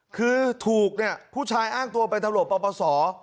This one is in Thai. คือถูกเนี่ยผู้ชายอ้างตัวไปทะโหลปะปะสอ